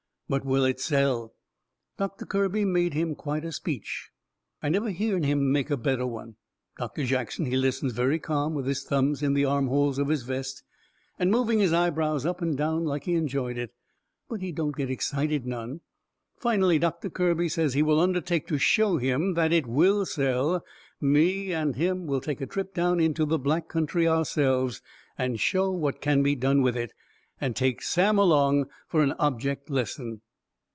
But will it sell?" Doctor Kirby makes him quite a speech. I never hearn him make a better one. Doctor Jackson he listens very calm, with his thumbs in the armholes of his vest, and moving his eyebrows up and down like he enjoyed it. But he don't get excited none. Finally Doctor Kirby says he will undertake to show that it will sell me and him will take a trip down into the black country ourselves and show what can be done with it, and take Sam along fur an object lesson.